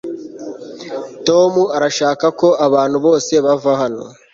tom arashaka ko abantu bose bava hano